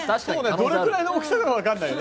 どれくらいの大きさかわからないよね。